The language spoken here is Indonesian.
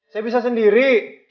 saya bisa sendiri